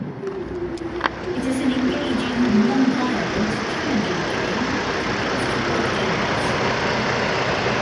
It's an engaging, nonviolent, challenging game that appeals to both genders.